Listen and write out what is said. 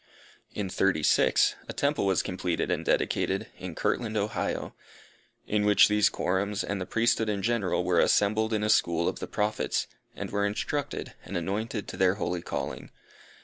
In 'thirty six, a temple was completed and dedicated, in Kirtland, Ohio; in which these quorums, and the Priesthood in general were assembled in a school of the Prophets, and were instructed, and anointed to their holy calling.